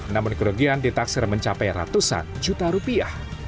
namun kerugian ditaksir mencapai ratusan juta rupiah